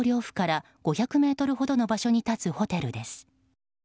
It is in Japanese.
府から５００ｍほどの場所に立つホテルです。